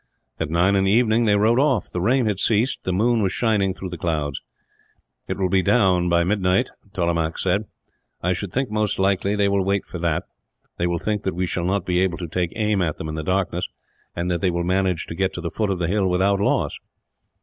At nine in the evening they rode off. The rain had ceased; the moon was shining through the clouds. "It will be down by twelve o'clock," Tollemache said. "I should think, most likely, they will wait for that. They will think that we shall not be able to take aim at them, in the darkness; and that they will manage to get to the foot of the hill, without loss."